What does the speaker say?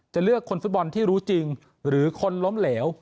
เลือกคนฟุตบอลที่รู้จริงหรือคนล้มเหลว